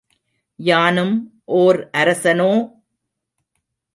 யானும் ஓர் அரசனோ?